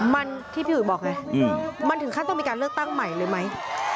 มันที่พี่อุ๋ยบอกไงมันถึงขั้นต้องมีการเลือกตั้งใหม่เลยไหม